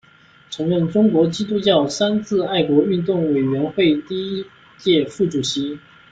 曾任中国基督教三自爱国运动委员会第一届副主席。